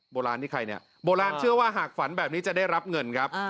โบราณเชื่อว่าหากฝันแบบนี้จะได้รับเงินครับ